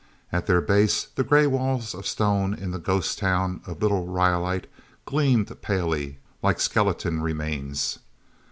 At their base, the gray walls of stone in the ghost town of Little Rhyolite gleamed palely, like skeleton remains.